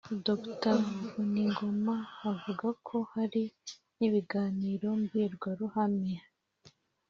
Dr Vuningoma avuga ko hari n’ibiganiro mbwirwaruhame